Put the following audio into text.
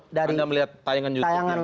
anda melihat tayangan youtube